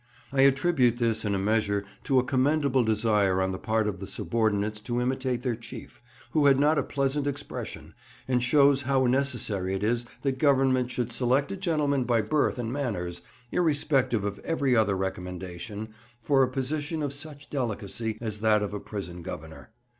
I attribute this in a measure to a commendable desire on the part of the subordinates to imitate their chief, who had not a pleasant expression, and shows how necessary it is that Government should select a gentleman by birth and manners—irrespective of every other recommendation—for a position of such delicacy as that of a prison Governor.